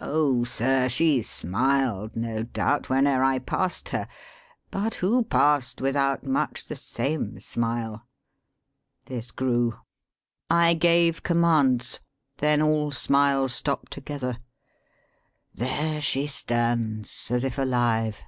Oh sir, she smiled, no doubt, Whene'er I passed her; but who passed without Much the same smile? This grew; I gave com mands ; Then all smiles stopped together. There she stands As if alive.